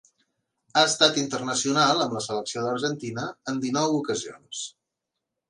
Ha estat internacional amb la selecció de l'Argentina en dinou ocasions.